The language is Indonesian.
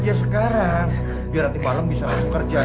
biar sekarang biar nanti malam bisa langsung kerja